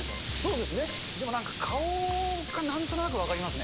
でもなんか、顔がなんとなく分かりますね。